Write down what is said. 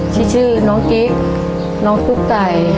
ชื่อน้องกิ๊กน้องตุ๊กไก่